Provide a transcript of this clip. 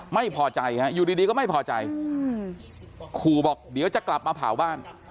ไม่พอใจฮะอยู่ดีก็ไม่พอใจขู่บอกเดี๋ยวจะกลับมาเผาบ้าน